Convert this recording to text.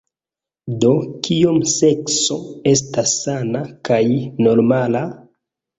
Do, Kiom sekso estas sana kaj normala?